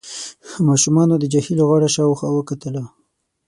ماشومانو د جهيل غاړه شاوخوا وکتله.